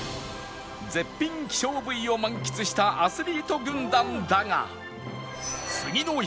絶品希少部位を満喫したアスリート軍団だが